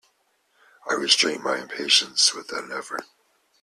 I restrained my impatience with an effort.